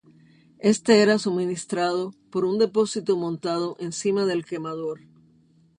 Este era suministrado por un depósito montado encima del quemador.